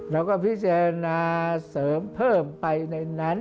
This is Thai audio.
เราก็พิจารณาเสริมเพิ่มไปในนั้น